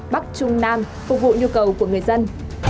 bắc trung nam phục vụ nhu cầu của người dân